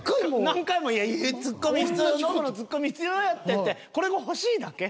何回も「ツッコミ必要やツッコミ必要や」って言ってこれが欲しいだけ。